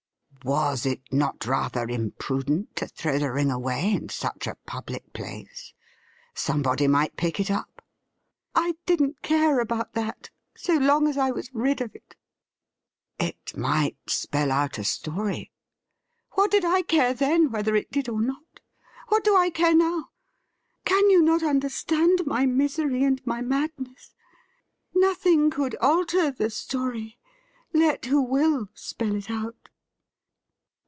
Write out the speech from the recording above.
' Was it not rather imprudent to throw the ring away in such a public place ? Somebody might pick it up.' ' I didn't care about that, so long as I was rid of it.' ' It might spell out a story.' ' What did I care then whether it did or not ? What do I care now ? Can you not understand my misery and my madness ? Nothing could alter the story, let who will spell it out.'